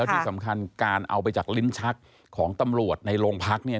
ที่สำคัญการเอาไปจากลิ้นชักของตำรวจในโรงพักเนี่ย